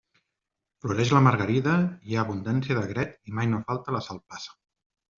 Floreix la margarida, hi ha abundància d'agret i mai no falta la salpassa.